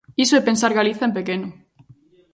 Iso é pensar Galiza en pequeno.